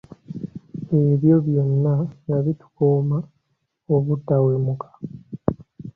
Ebyo byonna nga bitukuuuma obutawemuka.